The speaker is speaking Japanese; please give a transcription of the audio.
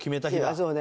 そうね。